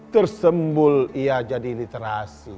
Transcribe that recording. tersembul ia jadi literasi